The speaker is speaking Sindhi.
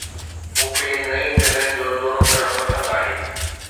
مون کي نئين جڳهن جو دورو ڪرڻ پسند آهي